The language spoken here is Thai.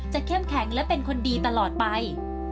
เข้มแข็งและเป็นคนดีตลอดไป